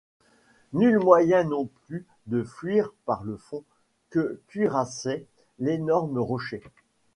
Nul moyen non plus de fuir par le fond, que cuirassait l’énorme rocher.